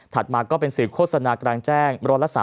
มาก็เป็นสื่อโฆษณากลางแจ้ง๑๓